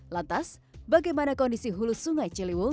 lantas bagaimana kondisi hulu sungai ciliwung